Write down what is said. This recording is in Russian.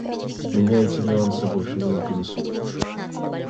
Меня эти нюансы больше не интересуют.